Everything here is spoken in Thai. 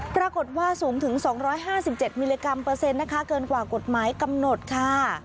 ปรากฏว่าสูงถึง๒๕๗มิลลิกรัมเปอร์เซ็นต์นะคะเกินกว่ากฎหมายกำหนดค่ะ